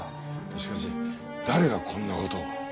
しかし誰がこんな事を。